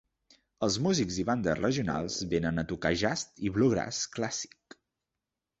Els músics i bandes regionals venen a tocar jazz i bluegrass clàssic.